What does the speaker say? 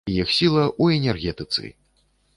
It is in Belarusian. Іх сіла ў энергетыцы.